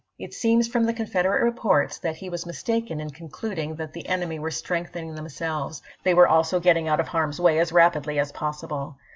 It seems from the Confederate reports that he was mistaken in concluding that the enemy were strengthening themselves; they were also getting out of harm's way as rapidly as possible.